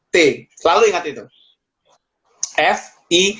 kalau olahraga kita sebutannya adalah fih